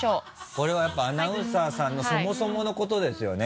これはやっぱアナウンサーさんのそもそものことですよね。